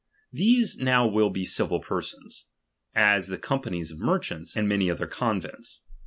These now will be civil persons ; as the companies of merchants, and many other convents.